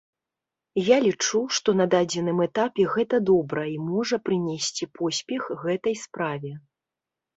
Я лічу, што на дадзеным этапе гэта добра, і можа прынесці поспех гэтай справе.